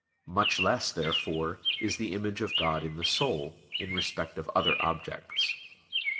Much less, therefore, is the image of God in the soul, in respect of other objects.